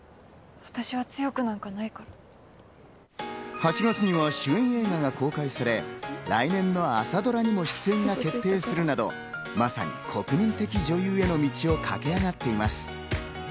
８月には主演映画が公開され、来年の朝ドラにも出演が決定するなど、まさに国民的女優への道を駆け上がっています。